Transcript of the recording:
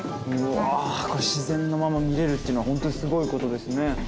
自然のまま見れるっていうのはホントにすごいことですね。